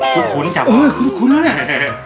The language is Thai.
คุ้นส์จังหูย้คุ้นส์แล้วเนี้ย